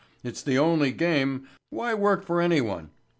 —it's the only game—why work for anyone?